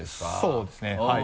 そうですねはい。